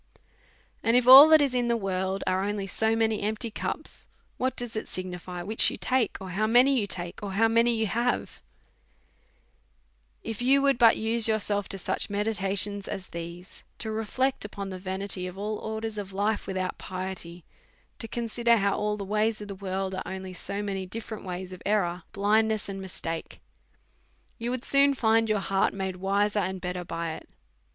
And if all that is in the world are only so many empty cups, what does it signify which you take, or how many you take, or how many you have ? If you would but use yourself to such meditations as these, to reflect upon the vanity of all orders of life without piety, to consider how all the ways of the world are so many different ways of error, blindness, and mistake, you would soon find your heart made wiser and better by it.